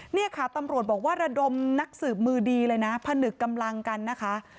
นี่ค่ะตำรวจบอกว่าระดมนักสืบมือดีเลยนะผนึกกำลังกันนะคะ